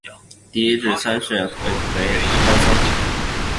第一至三世甘珠尔巴格西活佛均为藏区散川高僧。